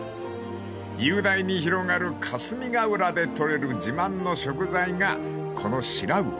［雄大に広がる霞ヶ浦で捕れる自慢の食材がこの］